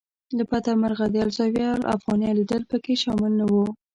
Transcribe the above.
له بده مرغه د الزاویة الافغانیه لیدل په کې شامل نه و.